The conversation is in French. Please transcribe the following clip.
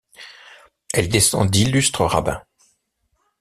Elle descend d'illustres rabbins.